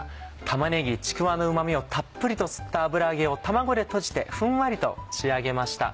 玉ねぎちくわのうま味をたっぷりと吸った油揚げを卵でとじてふんわりと仕上げました。